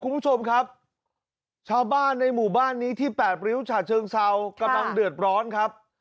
คุณผู้ชมครับชาวบ้านในหมู่บ้านนี้ที่แปดริ้วฉะเชิงเซากำลังเดือดร้อนครับ